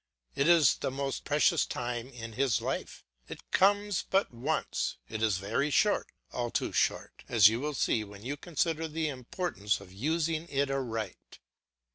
It is the most precious time in his life; it comes but once; it is very short, all too short, as you will see when you consider the importance of using it aright.